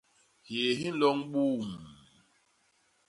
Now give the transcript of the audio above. Hyéé hi nloñ buumm.